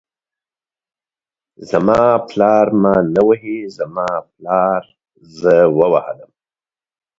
زما پالر ما نه وهي، زما پالر زه ووهلم.